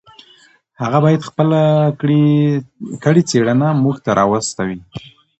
هغه باید خپله کړې څېړنه موږ ته راواستوي.